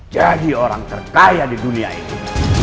jadi orang terkaya di dunia ini